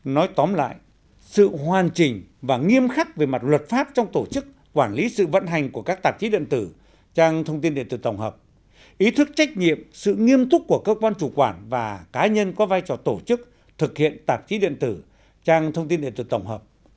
nói tóm lại sự hoàn chỉnh và nghiêm khắc về mặt luật pháp trong tổ chức quản lý sự vận hành của các tạp chí điện tử trang thông tin điện tử tổng hợp ý thức trách nhiệm sự nghiêm túc của cơ quan chủ quản và cá nhân có vai trò tổ chức thực hiện tạp chí điện tử trang thông tin điện tử tổng hợp